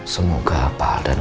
semoga pak aldan